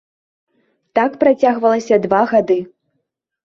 Так працягвалася два гады.